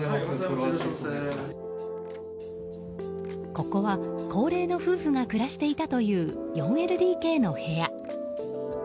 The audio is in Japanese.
ここは高齢の夫婦が暮らしていたという４ＬＤＫの部屋。